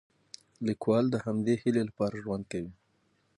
لیکوال د همدې هیلې لپاره ژوند کوي.